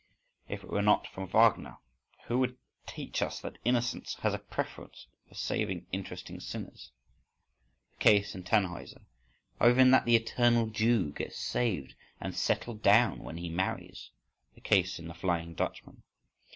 If it were not for Wagner, who would teach us that innocence has a preference for saving interesting sinners? (the case in "Tannhauser"). Or that even the eternal Jew gets saved and settled down when he marries? (the case in the "Flying Dutchman").